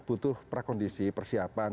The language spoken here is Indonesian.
butuh prakondisi persiapan